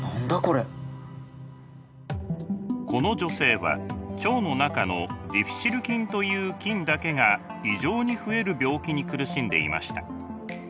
この女性は腸の中のディフィシル菌という菌だけが異常に増える病気に苦しんでいました。